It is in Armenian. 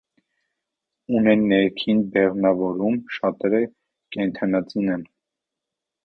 Ունեն ներքին բեղմնավորում, շատերը կենդանածին են։